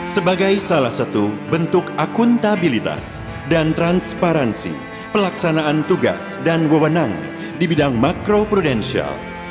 sebagai salah satu bentuk akuntabilitas dan transparansi pelaksanaan tugas dan wewenang di bidang makro prudensial